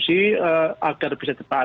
sudah berdiskusi agar bisa tepat